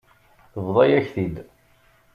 Tebḍa-yak-t-id.